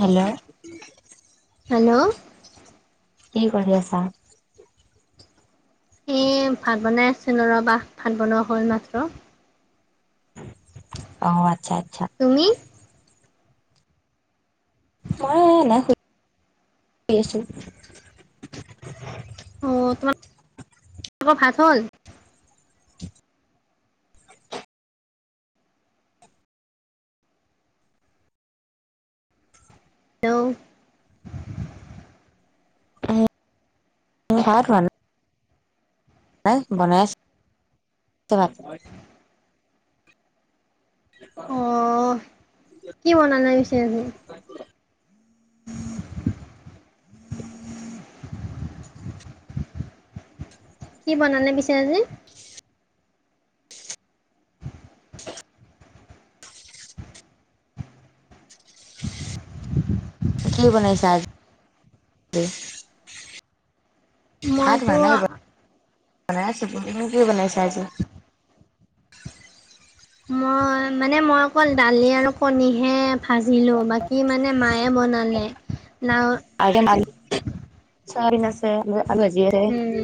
Hello, hello, কি কৰি আছা? এ ভাত বনাই আছিলো ৰবাহ ভাত বনোৱা হ'ল মাত্ৰ। অ' আচ্ছা-আচ্ছা। তুমি? মই এনেই শুই আছো। অ' তোমাৰলোক ভাত হ'ল। হেল্ল' এই [unintelligible] নাই বনাই আছে ভাত। [unintelligible] অ' কি বনলাগিছে আজি। কি বনালে পিছে আজি। কি বনাইছা আজি। ভাত হোৱা মইতো নাই বনাই বনাই আছো কি বনাইছে আজি। মই মানে মই অকল দালি আৰু পণীহে ভাজিলোঁ বাকী মানে মায়ে বনালে নাওঁ [unintelligible] চাবিন আছে আলু ভাজি আছে। উম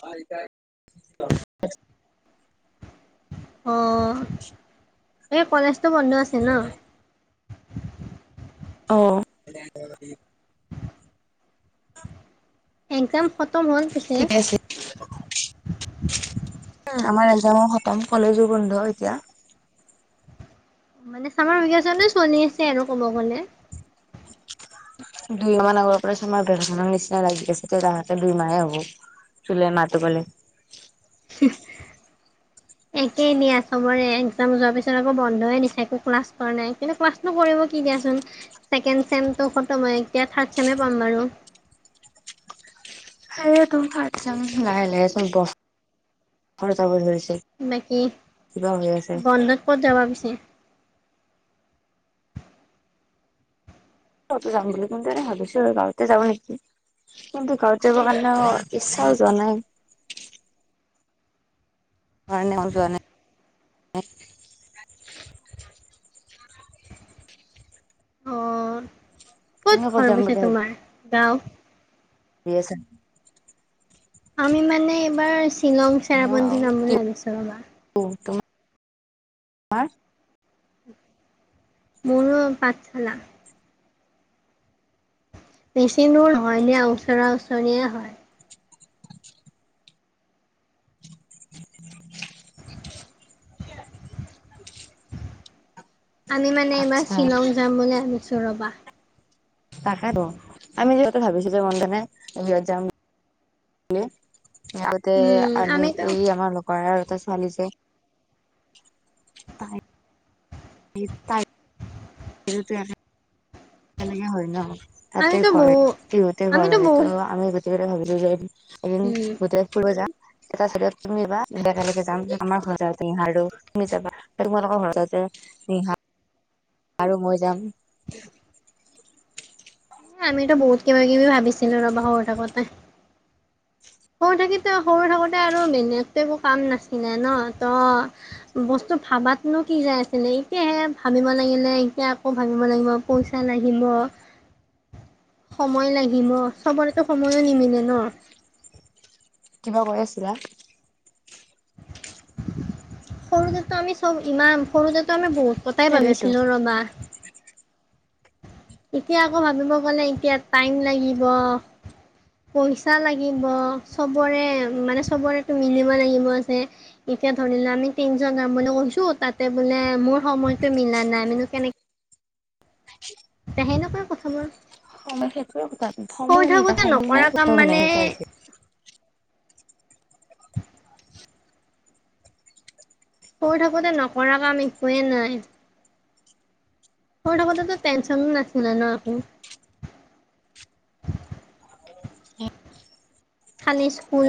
হয় এইতা অ [unintelligible] এই কলেজতো বন্ধ আছে। ন [unintelligible] অহ' এক্সাম খতম হ'ল পিছে। ঠিকে আছে আমাৰ এক্সাম খতম, কলেজো বন্ধ এতিয়া। মানে ছামৰ ভিকেচন চলি আছে আৰু ক'ব গ'লে। দুই মাহ আগৰ পৰা তোমাৰ ছামাৰ ভেকচনৰখনৰ নিচিনা লাগি আছে তো তাহতে দুই মাহে হ'ব। জুলাই মাহতো পালে [unintelligible] একেই নিয়া চমৰে এক্সাম যোৱাৰ পিছত আকৌ বন্ধ দিচে একো ক্লাছ কৰা নাই কিন্তু ক্লাছ কৰিব কি দিয়াচোন ছেকেণ্ড চেমটো খতম হৈ মই এতিয়া থাৰ্ড চেমেই পাম বাৰু। সে তো ভাম লাহে লাহে চোন ব ঘৰ যাব ধৰিছে [unintelligible] বাকী কিবা হৈ আছে। বন্ধত ক'ত যাবা পিছে? ত যাম বুলি ত ত হাল গাঁওঁতে যা নকি [unintelligible] কিন্তু গাওঁত যাব কাৰণে ইচ্ছাও যোৱা নাই। কাৰ নে য নে [unintelligible] অ', তুমি ক'ত ঘৰ যাম পিছে বুলি তোমাৰ গাওঁ? বি [unintelligible] আমি মানে এইবাৰ শ্বিলং চেৰাপুঞ্জী যাম বুলি ভাবনিছিলোঁ ৰবা। অ', তম ম [unintelligible] মোৰো পচ [unintelligible] না। বেছি দূৰ হয় দিয়া ওচৰা ওচৰিয়েই হয়। [inaudible] [inaudible] আমি মানে এইবাৰ আচ্ছা শ্বিলং যাম বুলি ভাবিছোঁ ৰ'বা। তাকেতো আমি যিহেতু ভাবিছিলো যে মন বিহত যাম [unintelligible] গতে উম আ আমিতো এই আমাৰ লোকৰ আৰু এটা ছোৱালী যে [unintelligible] তাই তাই সেই [unintelligible] একগে হয় ন তাতে আমিতো ঘৰ হয় বহু টিহুতে ঘৰ আমিতো হয় তো বহুত আমি গোটেইকেইটা ভাবিলো যে [unintelligible] এদিন উম বুতৰাজ ফুব যাম [unintelligible] এটা চড তুমিা একেলগে যাম যে আমাৰ ঘৰ যাহাৰো তুমি যাবা [unintelligible] ত তমাৰ ক ভত যেহ [unintelligible] আৰু মই যাম। আমিতো বহুত কিবা কিবি ভাবিছিলো ৰবা সৰু থাকোতে। সৰু থাকোতে সৰু থাকোতে আৰু মেনেতৈ একো কাম নাচিনে ন তো বস্তু ভাবাতনো কি যাই আছিলে এতিয়াহে ভাবিব লাগিলে এতিয়া আকৌ ভাবিব লাগিব। পইচা লাগিব। সময় লাগিম অ', চবৰেতো সময়ো নিমিলে ন। কিবা কৈ আছিলা। সৰুতেটো আমি চব ইমান সৰুতেটো আমি বহুত কটাই সেইটোৱেতো ভাবিছিলো ৰবা। এতিয়া আকৌ ভাবিব গ'লে এতিয়া টাইম লাগিব। পইচা লাগিব চবৰে মানে চবৰেতটো মিনিময় লাগিব যে এতিয়া ধৰিলো আমি তিন জন গাম বুলি গৈছো তাতে বোলে মোৰ সময়তো মিলা নাই মু কেনেকে এয়া সেনেকুৱা কথাবোৰ। সময় সেইটো ক সময় সৰু নাই কটা থাকোতে সময় নাই নকৰা কাম কথা শুনা মানে এনেকুৱা হৈছে। সৰু থাকোঁতে নকৰা কাম একোয়ে নাই। সৰু থাকোঁতে টেনচন নাছিল ন একো। খালী স্কুল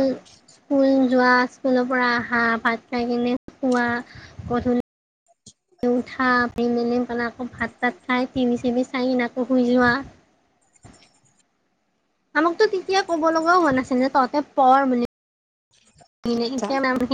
স্কুল যোৱা স্কুলৰ পৰা আহা ভাত খাই কিনে শুৱা। কথ [unintelligible] উঠা প মেলি মানে আকৌ ভাত তাত খাই টিভি চাইঙি আকৌ শুই যোৱা। আমাকতো তেতিয়া ক'ব লগাও হোৱা নাছিলে যে তহতে পঢ়ৰ বুলি। ননে এতিয়া ম [unintelligible]